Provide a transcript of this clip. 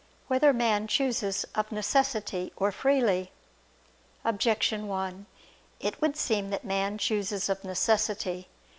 6] Whether Man Chooses of Necessity or Freely? Objection 1: It would seem that man chooses of necessity.